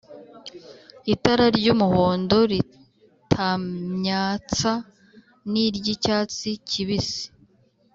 itara ry'umuhondo ritamyatsa n’iry'icyatsi kibisi